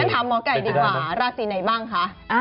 ถามหมอไก่ดีกว่าราศีไหนบ้างคะ